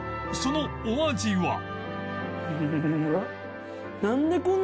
そのお味は